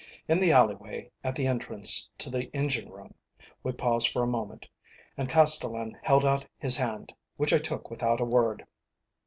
In the alleyway at the entrance to the engine room we paused for a moment, and Castellan held out his hand, which I took without a word.